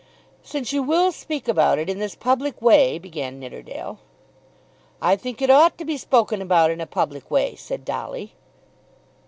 "Since you will speak about it in this public way " began Nidderdale. "I think it ought to be spoken about in a public way," said Dolly.